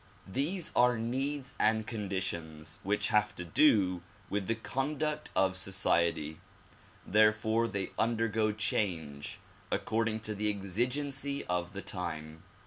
These are needs and conditions which have to do with the conduct of society; therefore they undergo change according to the exigency of the time.